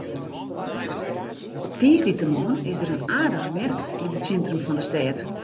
Op tiisdeitemoarn is der in aardige merk yn it sintrum fan de stêd.